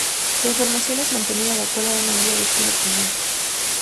La información es mantenida de acuerdo a una guía de estilo común.